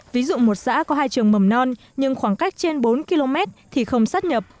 ví dụ một xã có hai trường mầm non nhưng khoảng cách trên bốn km thì không sát nhập